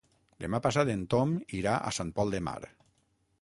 Demà passat en Tom irà a Sant Pol de Mar.